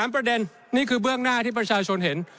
ประเด็นนี่คือเบื้องหน้าที่ประชาชนเห็น